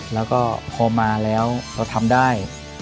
แล้วก็พอมาแล้วเราทำได้